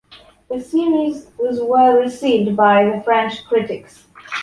The series was well received by the French critics.